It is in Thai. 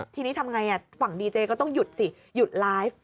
ทีนี้ทำไงฝั่งดีเจก็ต้องหยุดสิหยุดไลฟ์